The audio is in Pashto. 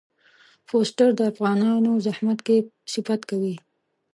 فورسټر د افغانانو زحمت کښی صفت کوي.